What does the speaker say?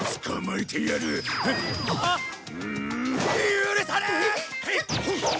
許さねえ！